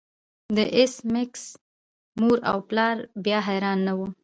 د ایس میکس مور او پلار بیا حیران نه وو